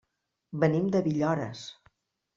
Venim de Villores.